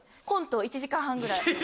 コント１時間半ぐらい。